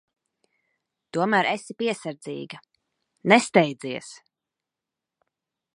Tomēr esi piesardzīga. Nesteidzies.